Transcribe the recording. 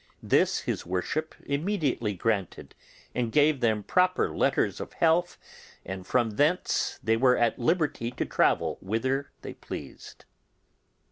This his worship immediately granted, and gave them proper letters of health, and from thence they were at liberty to travel whither they pleased.